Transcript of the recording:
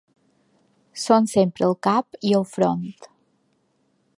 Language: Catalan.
Són sempre al cap i al front.